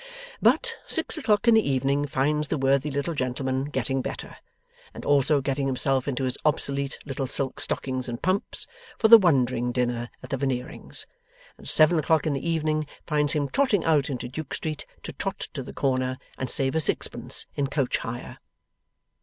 But, six o'clock in the evening finds the worthy little gentleman getting better, and also getting himself into his obsolete little silk stockings and pumps, for the wondering dinner at the Veneerings. And seven o'clock in the evening finds him trotting out into Duke Street, to trot to the corner and save a sixpence in coach hire.